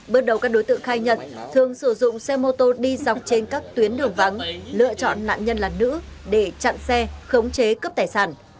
bước đầu các đối tượng khai nhận thường sử dụng xe mô tô đi dọc trên các tuyến đường vắng lựa chọn nạn nhân là nữ để chặn xe khống chế cướp tài sản